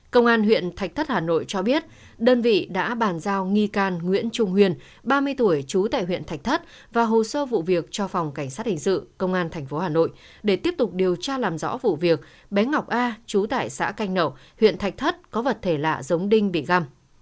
công an huyện thạch thất hà nội cho biết đơn vị đã bàn giao nghi can nguyễn trung huyền ba mươi tuổi trú tại huyện thạch thất và hồ sơ vụ việc cho phòng cảnh sát hình sự công an tp hà nội để tiếp tục điều tra làm rõ vụ việc bé ngọc a chú tại xã canh nậu huyện thạch thất có vật thể lạ giống đinh bị găm